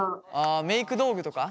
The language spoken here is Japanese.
あメーク道具とか？